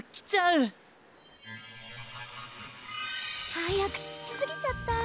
はやくつきすぎちゃった。